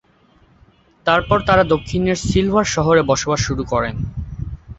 এরপর তারা দক্ষিণের সিলভার শহরে বসবাস শুরু করেন।